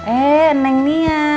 eh neng nia